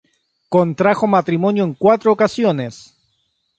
Contrajo matrimonio en cuatro ocasiones.